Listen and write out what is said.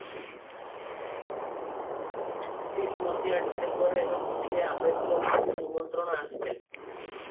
ଛତିଶ ମସିହା ଡିସେମ୍ବରରେ ଏକ ଚିଠିରେ ଆମ୍ବେଦକରଙ୍କୁ ନିମନ୍ତ୍ରଣ ଆସିଥିଲା ।